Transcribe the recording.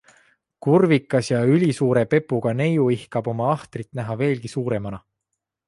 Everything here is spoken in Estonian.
Kurvikas ja ülisuure pepuga neiu ihkab oma ahtrit näha veelgi suuremana.